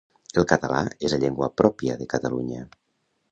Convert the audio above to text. El català és la llengua pròpia de Catalunya.